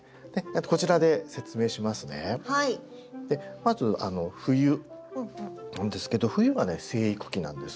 まず冬なんですけど冬はね生育期なんです。